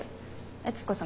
悦子さん